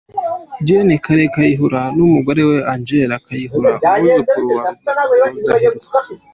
Gen. Kale Kayihura n’umugore we Angella Kayihura, umwuzukuru wa Rudahigwa